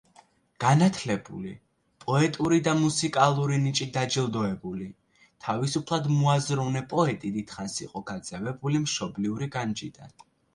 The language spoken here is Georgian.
განათლებული, პოეტური და მუსიკალური ნიჭით დაჯილდოებული, თავისუფლად მოაზროვნე პოეტი დიდხანს იყო გაძევებული მშობლიური განჯიდან.